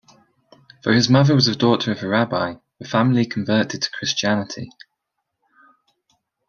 Though his mother was the daughter of a rabbi, the family converted to Christianity.